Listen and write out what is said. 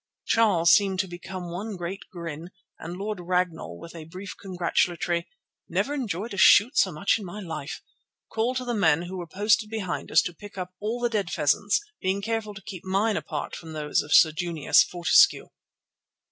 Charles seemed to become one great grin, and Lord Ragnall, with a brief congratulatory "Never enjoyed a shoot so much in my life," called to the men who were posted behind us to pick up all the dead pheasants, being careful to keep mine apart from those of Sir Junius Fortescue.